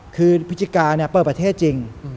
คือพฤศจิกาเปิดประเทศจริง